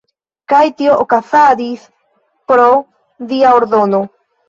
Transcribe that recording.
Kaj tio okazadis pro “dia ordono”.